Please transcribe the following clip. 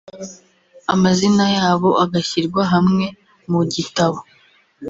amazina yabo agashyirwa hamwe mu gitabo